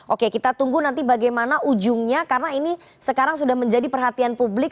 oke kita tunggu nanti bagaimana ujungnya karena ini sekarang sudah menjadi perhatian publik